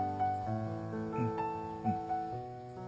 うんうん。